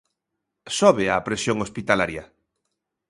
Sobe a presión hospitalaria.